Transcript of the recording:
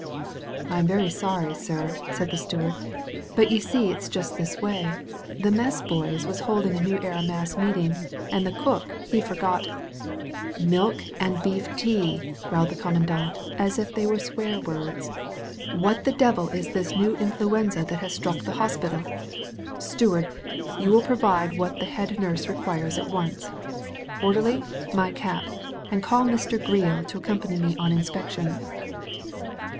"I'm very sorry. Sir," said the steward, "but ye see it's just this way. The mess boys was hold in' a New Era mass meetin', and the cook he for got " "Milk and beef tea!" growled the Commandant as if they were swear words. "What the devil is this new influenza that has struck the hospital? Steward, you will provide what the head nurse requires at once. Orderly, my cap, and call Mr* Greel to accompany me on inspection."